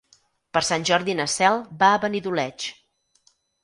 Per Sant Jordi na Cel va a Benidoleig.